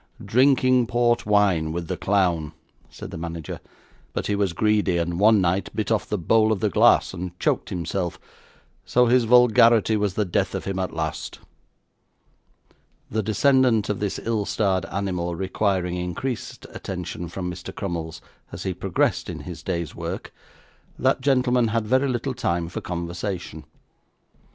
'Drinking port wine with the clown,' said the manager; 'but he was greedy, and one night bit off the bowl of the glass, and choked himself, so his vulgarity was the death of him at last.' The descendant of this ill starred animal requiring increased attention from Mr. Crummles as he progressed in his day's work, that gentleman had very little time for conversation.